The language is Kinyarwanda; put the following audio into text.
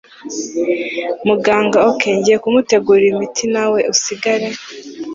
Muganga ok ngiye kumutegurira imiti nawe usigare